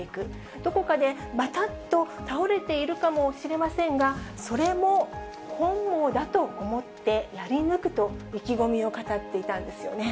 どこかでばたっと倒れているかもしれませんが、それも本望だと思ってやり抜くと、意気込みを語っていたんですよね。